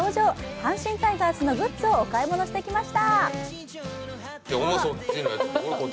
阪神タイガースのグッズをお買い物してきました。